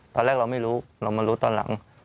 เราไม่รู้เรามารู้ตอนหลัง